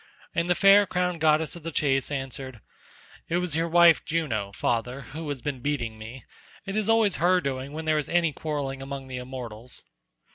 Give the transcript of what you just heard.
and the fair crowned goddess of the chase answered, "It was your wife Juno, father, who has been beating me; it is always her doing when there is any quarrelling among the immortals."